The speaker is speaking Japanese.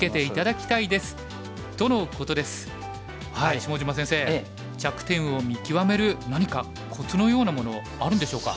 下島先生着点を見極める何かコツのようなものあるんでしょうか？